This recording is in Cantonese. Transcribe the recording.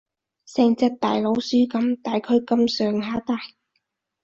成隻大老鼠噉，大概噉上下大